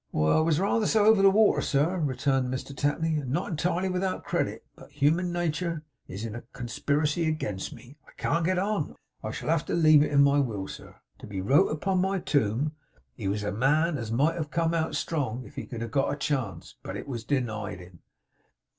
'Why, I was rather so, over the water, sir,' returned Mr Tapley; 'and not entirely without credit. But Human Natur' is in a conspiracy again' me; I can't get on. I shall have to leave it in my will, sir, to be wrote upon my tomb: "He was a man as might have come out strong if he could have got a chance. But it was denied him."